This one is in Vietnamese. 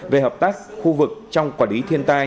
về hợp tác khu vực trong quản lý thiên tai